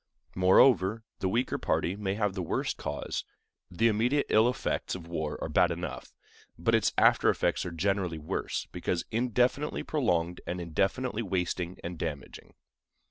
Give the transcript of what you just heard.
Moreover, the weaker party may have the worse cause. The immediate ill effects of war are bad enough, but its after effects are generally worse, because indefinitely prolonged and indefinitely wasting and damaging.